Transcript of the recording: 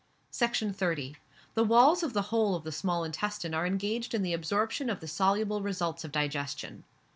Section 30. The walls of the whole of the small intestine are engaged in the absorption of the soluble results of digestion.